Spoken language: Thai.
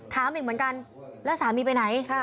ถามอีกเหมือนกันแล้วสามีไปไหน